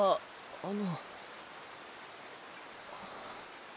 あの。